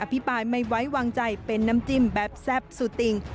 พี่ปายไม่ไว้วางใจเป็นน้ำจิ้มแบบแซ่บสุติง